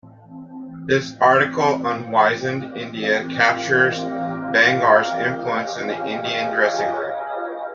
This article on Wisden India captures Bangar's influence in the Indian dressing room.